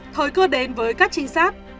thời cơ đến với các trinh sát